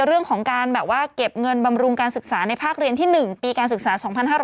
เรื่องของการแบบว่าเก็บเงินบำรุงการศึกษาในภาคเรียนที่๑ปีการศึกษา๒๕๕๙